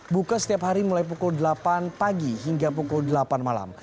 buka setiap hari mulai pukul delapan pagi hingga pukul delapan malam